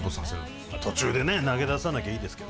まあ途中でね投げ出さなきゃいいですけど。